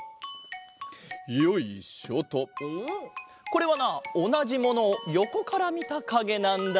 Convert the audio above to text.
これはなおなじものをよこからみたかげなんだ。